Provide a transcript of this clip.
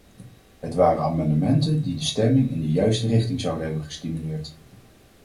Het waren amendementen die de stemming in de juiste richting zouden hebben gestimuleerd.